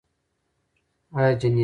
یا جنیاتي وي